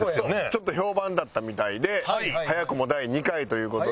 ちょっと評判だったみたいで早くも第２回という事で。